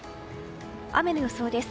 雨の予想です。